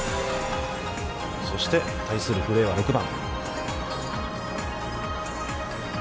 そして対する古江は６番。